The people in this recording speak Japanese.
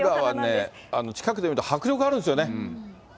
八重桜はね、近くで見ると迫力あるんですよね。